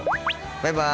バイバイ。